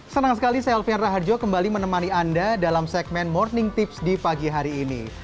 senang sekali saya alfian raharjo kembali menemani anda dalam segmen morning tips di pagi hari ini